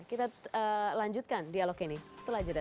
kita lanjutkan dialog ini setelah jeda